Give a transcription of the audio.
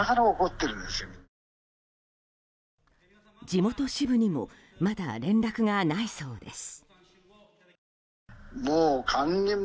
地元支部にもまだ連絡がないそうです。